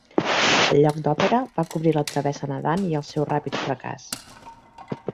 El lloc d'Opera va cobrir la travessa nedant i el seu ràpid fracàs.